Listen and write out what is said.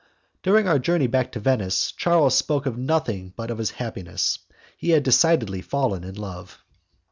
During our journey back to Venice Charles spoke of nothing but of his happiness. He had decidedly fallen in love.